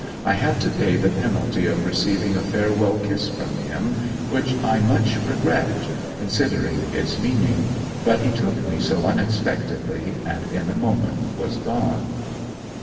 I had to pay the penalty of receiving a farewell kiss from him, which I much regret, considering its meaning; but he took me so unexpectedly, and in a moment was gone.